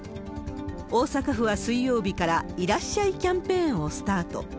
大阪府は水曜日から、いらっしゃいキャンペーンをスタート。